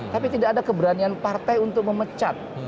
tapi tidak ada keberanian partai untuk memecat